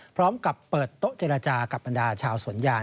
พร้อมกับเปิดโต๊ะเจรจากับบรรดาชาวสวนยาง